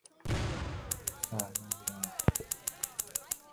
فرمان بر